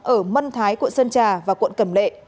ở mân thái quận sơn trà và quận cẩm lệ